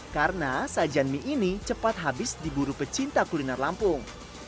karena sajian mie ini cepat habis di buru pecinta kuliner lampung